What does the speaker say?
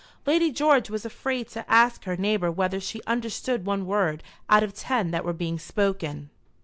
Lady George was afraid to ask her neighbour whether she understood one word out of ten that were being spoken.